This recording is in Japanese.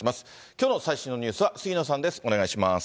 きょうの最新のニュースは杉野さんです。